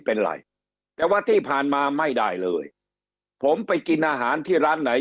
เป็นไรแต่ว่าที่ผ่านมาไม่ได้เลยผมไปกินอาหารที่ร้านไหน